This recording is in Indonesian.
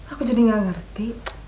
aku jadi gak ngerti